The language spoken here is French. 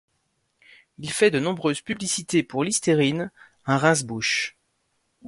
Il a fait de nombreuses publicités pour Listerine, un rince-bouche.